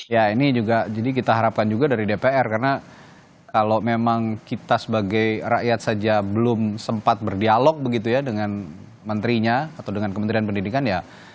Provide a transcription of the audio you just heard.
ya ini juga jadi kita harapkan juga dari dpr karena kalau memang kita sebagai rakyat saja belum sempat berdialog begitu ya dengan menterinya atau dengan kementerian pendidikan ya